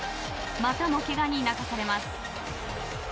またもけがに泣かされます。